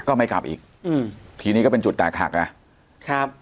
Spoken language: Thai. ก็ไม่กลับอีกอืมทีนี้ก็เป็นจุดแตกหักอ่ะครับ